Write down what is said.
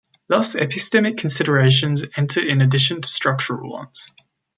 Thus epistemic considerations enter in addition to structural ones.